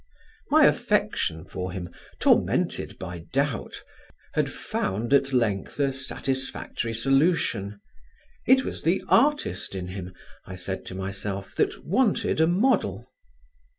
My affection for him, tormented by doubt, had found at length a satisfactory solution. It was the artist in him, I said to myself, that wanted a model.